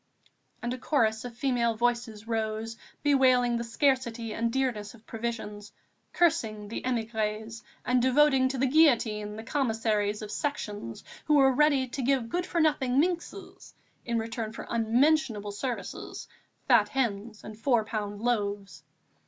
And a chorus of female voices rose, bewailing the scarcity and dearness of provisions, cursing the émigrés and devoting to the guillotine the Commissaries of Sections who were ready to give good for nothing minxes, in return for unmentionable services, fat hens and four pound loaves.